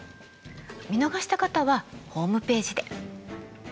見逃した方はホームページで。